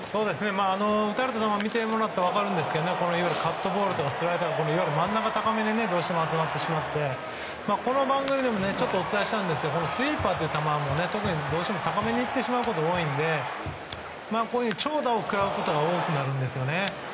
打たれた球を見てもらったら分かるんですけどカットボールとスライダー真ん中高めに集まってしまってスイーパーという球どうしても高めに行ってしまうことが多いので、長打を食らうことが多くなるんですよね。